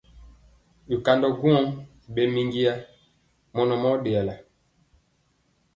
Bikandɔ gwɔŋ i ɓɛ minjiya mɔnɔ a ɗeyala.